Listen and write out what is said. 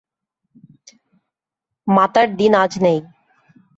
মাতার দিন আজ নেই।